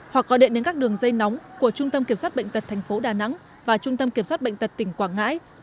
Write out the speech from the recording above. hoặc gọi điện đến các đường dây nóng của trung tâm kiểm soát bệnh tật tp đà nẵng và trung tâm kiểm soát bệnh tật tỉnh quảng ngãi